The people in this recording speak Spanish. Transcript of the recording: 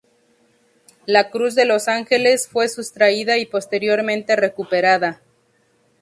La Cruz de los Ángeles fue sustraída y posteriormente recuperada.